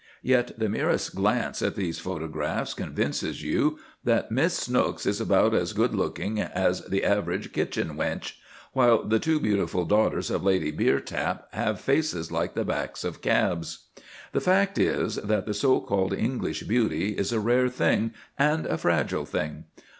Yet the merest glance at those photographs convinces you that Miss Snooks is about as good looking as the average kitchen wench, while the two beautiful daughters of Lady Beertap have faces like the backs of cabs. The fact is, that the so called English beauty is a rare thing and a fragile thing.